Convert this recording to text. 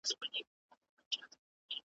پر اروا مي بد شګون دی نازوه مي .